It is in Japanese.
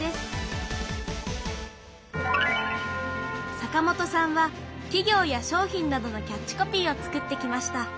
坂本さんは企業や商品などのキャッチコピーを作ってきました。